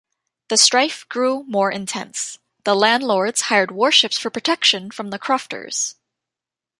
The strife grew more intense; the landlords hired warships for protection from the crofters.